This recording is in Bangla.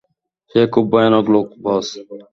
সে খুব ভয়ানক লোক, বস।